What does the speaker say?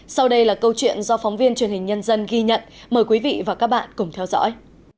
sau đây là câu chuyện do phóng viên truyền hình nhân dân ghi nhận mời quý vị và các bạn cùng theo dõi